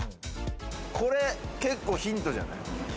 これ、結構ヒントじゃない？